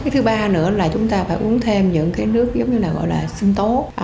thứ ba nữa là chúng ta phải uống thêm những nước gọi là sinh tố